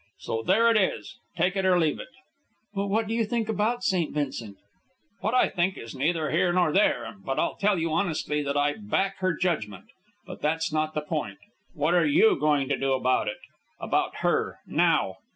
So there it is; take it or leave it." "But what do you think about St. Vincent?" "What I think is neither here nor there; but I'll tell you honestly that I back her judgment. But that's not the point. What are you going to do about it? about her? now?"